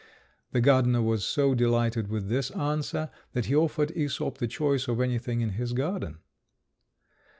The gardener was so delighted with this answer, that he offered Æsop the choice of anything in his garden.